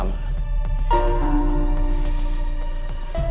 di jalan purnama